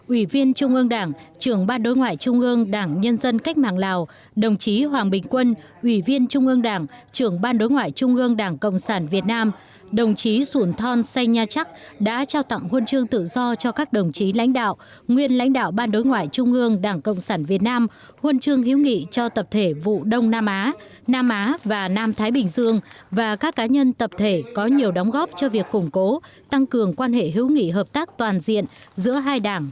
ủy viên trung ương đảng trưởng ban đối ngoại trung ương đảng nhân dân cách mạng lào đồng chí hoàng bình quân ủy viên trung ương đảng trưởng ban đối ngoại trung ương đảng cộng sản việt nam đồng chí sủn thon say nha chắc đã trao tặng huân chương tự do cho các đồng chí lãnh đạo nguyên lãnh đạo ban đối ngoại trung ương đảng cộng sản việt nam huân chương hữu nghị cho tập thể vụ đông nam á nam á và nam thái bình dương và các cá nhân tập thể có nhiều đóng góp cho việc củng cố tăng cường quan hệ hữu nghị hợp tác toàn diện giữa hai đảng